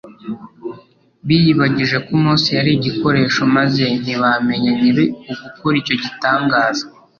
Biyibagije ko Mose yari igikoresho, maze ntibamenya nyiri ugukora icyo gitangaza,